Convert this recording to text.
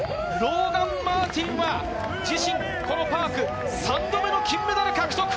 ローガン・マーティンは自身このパーク３度目の金メダル獲得。